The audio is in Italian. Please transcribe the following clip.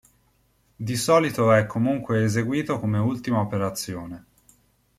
Di solito è comunque eseguito come ultima operazione.